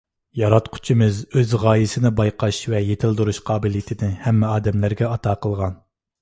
ياراتقۇچىمىز ئۆز غايىسىنى بايقاش ۋە يېتىلدۈرۈش قابىلىيىتىنى ھەممە ئادەملەرگە ئاتا قىلغان.